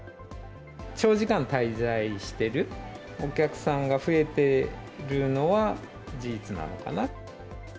長時間滞在してるお客さんが増えてるのは事実なのかな。